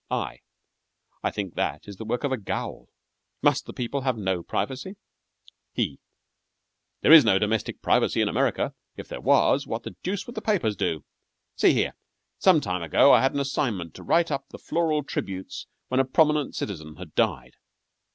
I I think that is the work of a ghoul. Must the people have no privacy? HE There is no domestic privacy in America. If there was, what the deuce would the papers do? See here. Some time ago I had an assignment to write up the floral tributes when a prominent citizen had died.